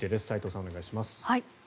斎藤さん、お願いします。